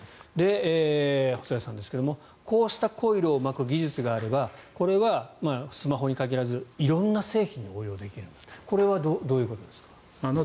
細谷さんですが、こうしたコイルを巻く技術があればこれはスマホに限らず色んな製品に応用できるこれはどういうことなんですか？